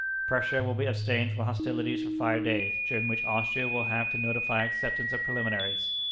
Prussia will abstain from hostilities for five days, during which Austria will have to notify acceptance of preliminaries.